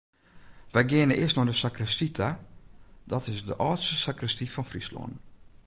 We geane earst nei de sakristy ta, dat is de âldste sakristy fan Fryslân.